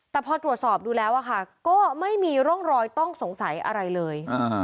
แต่พอตรวจสอบดูแล้วก็ไม่มีร่องรอยต้องสงสัยอะไรเลย